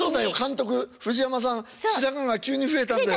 監督藤山さん白髪が急に増えたんだよ。